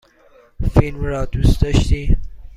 فیلم را دوست داشتی؟